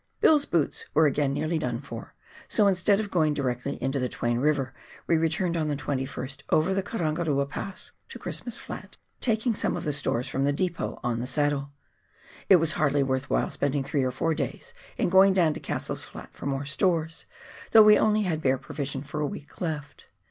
Bill's boots were again nearly done for, so instead of going direct into the Twain River, we returned on the 21st over the Karangarua Pass to Christmas Flat, taking some of the stores LANDSBOROUGH EIVER. 231 from the depot on the saddle. It was hardly worth while spending three or four days in going down to Cassell's Flat for more stores, though we only had bare provision for a week left.